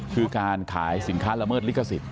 คือการขายสินค้าละเมิดลิขสิทธ